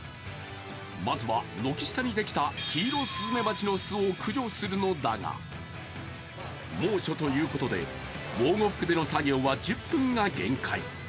まずは、軒下にできたキイロスズメバチの巣を駆除するのだが猛暑ということで、防護服での作業は１０分が限界。